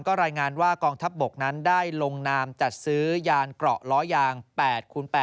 ก็รายงานว่ากองทัพบกนั้นได้ลงนามจัดซื้อยานเกราะล้อยาง๘คูณ๘